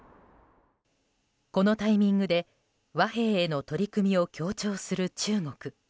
このタイミングで和平への取り組みを強調する中国。